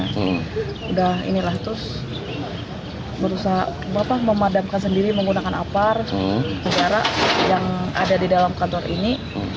sudah inilah terus berusaha memadamkan sendiri menggunakan apar sejarah yang ada di dalam kantor ini